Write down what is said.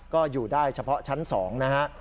ก็อยู่ได้เฉพาะชั้น๒นะฮะ